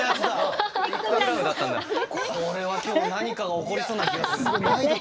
これは今日は何かが起こりそうな気がする。